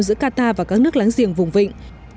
giữa qatar và các nước láng giềng vùng vịnh